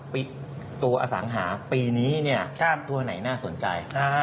ปีตัวสังหาริมทรัพย์ปีนี้ตัวไหนน่าสนใจ